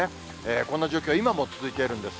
こんな状況は今も続いているんです。